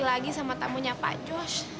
lagi sama tamunya pak jus